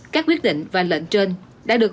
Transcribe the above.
các quyết định và lệnh trên đã được